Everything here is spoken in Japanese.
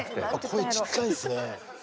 声ちっちゃいんすね。